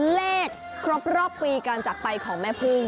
เลขครอบครอบปีการจัดไปของแม่พื้ง